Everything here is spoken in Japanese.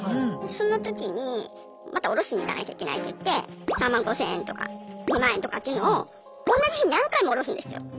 その時にまたおろしに行かなきゃいけないっていって３万５，０００円とか２万円とかっていうのを同じ日に何回もおろすんですよ。